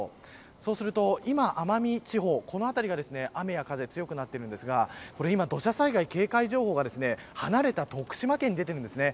そうすると、今、奄美地方この辺りが雨や風強くなっているんですが今、土砂災害警戒情報が離れた徳島県に出ているんですね。